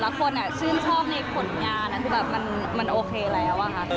แล้วคนชื่นชอบในผลงานคือแบบมันโอเคแล้วอะค่ะ